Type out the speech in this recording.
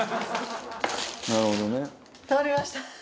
なるほどね」通りました！